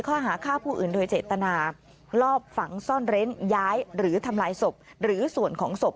ข้อหาฆ่าผู้อื่นโดยเจตนาลอบฝังซ่อนเร้นย้ายหรือทำลายศพหรือส่วนของศพ